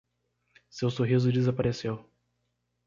Seu sorriso desapareceu.